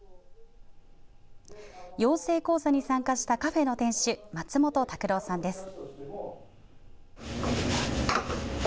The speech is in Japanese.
養成講座に参加したカフェの店主松本卓朗さんです。